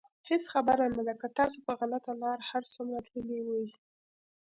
هېڅ خبره نه ده که تاسو په غلطه لاره هر څومره تللي وئ.